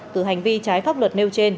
từ hành vi trái pháp luật nêu trên